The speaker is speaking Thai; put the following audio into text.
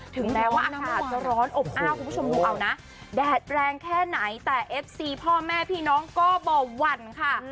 ถึงแม้ว่าอากาศจะร้อนอบอ้าวคุณผู้ชมดูเอานะแดดแรงแค่ไหนแต่เอฟซีพ่อแม่พี่น้องก็บ่อหวั่นค่ะ